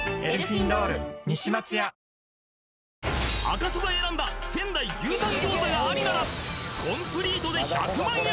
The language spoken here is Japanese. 赤楚が選んだ仙台牛タン餃子がありならコンプリートで１００万円